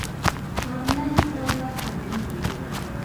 آنلاین سودا خوندی وی؟